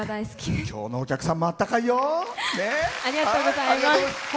今日のお客さんもあったかいよ。